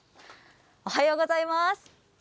おはようございます。